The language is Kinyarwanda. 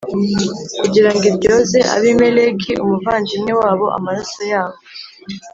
kugira ngo iryoze Abimeleki umuvandimwe wabo amaraso yabo